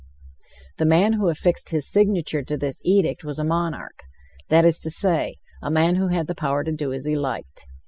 The man who affixed his signature to this edict was a monarch, that is to say, a man who had the power to do as he liked.